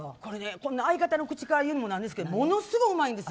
相方の口から言うのもなんですけどものすごくうまいんですよ。